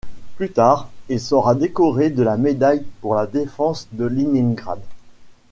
Plus tard, il sera décoré de la médaille pour la Défense de Léningrad.